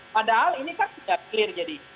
padahal ini kan tidak jelas